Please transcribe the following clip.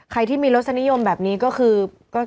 ใครที่มีรสนิยมแบบนี้ก็คือ